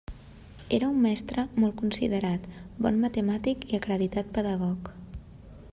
Era un mestre molt considerat, bon matemàtic i acreditat pedagog.